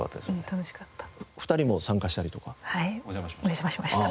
お邪魔しました。